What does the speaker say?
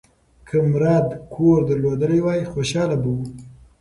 که مراد کور درلودلی وای، خوشاله به و.